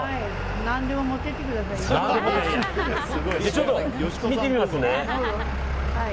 ちょっと見てみますね。